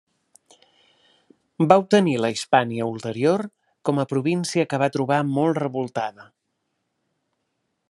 Va obtenir la Hispània Ulterior com a província que va trobar molt revoltada.